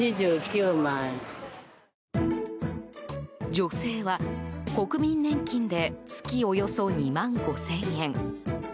女性は、国民年金で月およそ２万５０００円。